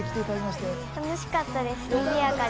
楽しかったです、にぎやかで。